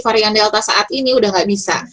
varian delta saat ini sudah tidak bisa